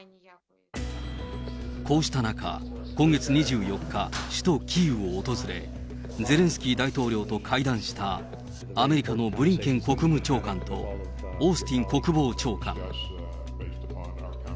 こうした中、今月２４日、首都キーウを訪れ、ゼレンスキー大統領と会談したアメリカのブリンケン国務長官と、オースティン国防長官。